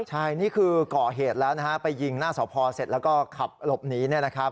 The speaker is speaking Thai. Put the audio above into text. ใช่นี่คือก่อเหตุแล้วนะคะไปยิงหน้าสะพอเสร็จแล้วก็ขับหลบหนีเนี่ยนะครับ